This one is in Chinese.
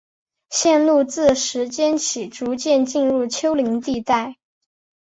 线路自石涧起逐渐进入丘陵地带。